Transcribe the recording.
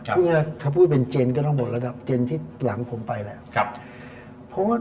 พูดคำพูดเป็นเจนก็ต้องหมดระดับเจนที่หลังผมไปแล้ว